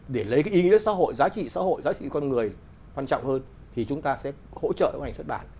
để lấy cái ý nghĩa xã hội giá trị xã hội giá trị con người quan trọng hơn thì chúng ta sẽ hỗ trợ ngành xuất bản